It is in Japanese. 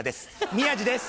宮治です！